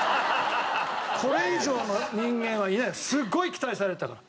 これ以上の人間はいないすごい期待されてたから。